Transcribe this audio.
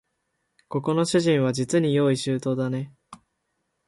ここの主人はじつに用意周到だね